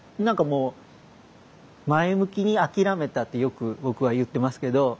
何かもう前向きにあきらめたってよく僕は言ってますけど。